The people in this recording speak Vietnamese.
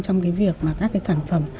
trong cái việc mà các cái sản phẩm